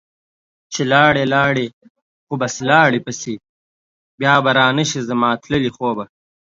چې لاړي لاړي خو بس لاړي پسي ، بیا به رانشي زما تللي خوبه